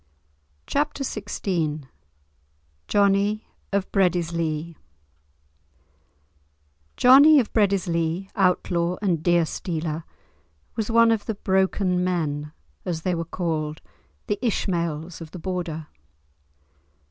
*Chapter XVI* *Johnie of Breadislee* Johnie of Breadislee, outlaw and deer stealer, was one of the "broken men," as they were called, the Ishmaels of the Border.